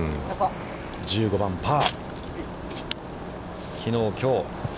１５番パー。